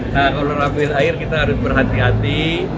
nah kalau rafiul akhir kita harus berhati hati